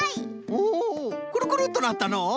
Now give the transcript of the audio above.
おおクルクルッとなったのう。